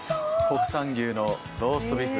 国産牛のローストビーフ。